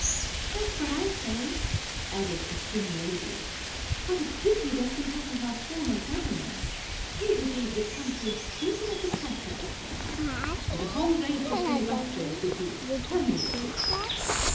"That's what I say!" added a thin lady. "What a pity that we haven't our former governor. He would leave the country as clean as a platter." "And the whole race of filibusters would be exterminated!"